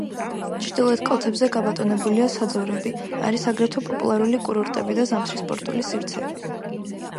ჩრდილოეთ კალთებზე გაბატონებულია საძოვრები, არის აგრეთვე პოპულარული კურორტები და ზამთრის სპორტული სივრცეები.